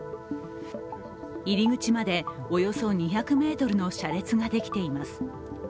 入り口まで、およそ２００ｍの車列ができています。